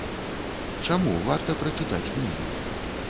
Чаму варта прачытаць кнігі?